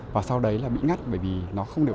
và sau đấy là bị ngắt bởi vì nó không được